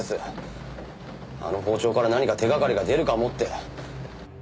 あの包丁から何か手掛かりが出るかもって。